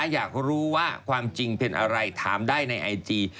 อยากรู้ว่าความจริงเป็นอะไรถามได้ในไอจี